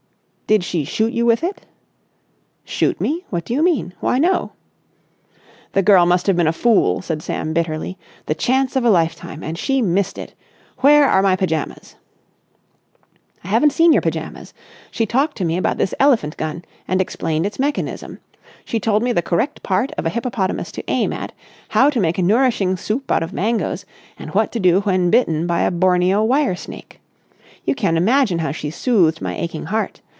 "Did she shoot you with it?" "Shoot me? What do you mean? Why, no!" "The girl must have been a fool!" said Sam bitterly. "The chance of a lifetime and she missed it. Where are my pyjamas?" "I haven't seen your pyjamas. She talked to me about this elephant gun, and explained its mechanism. She told me the correct part of a hippopotamus to aim at, how to make a nourishing soup out of mangoes, and what to do when bitten by a Borneo wire snake. You can imagine how she soothed my aching heart.